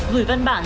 gửi văn bản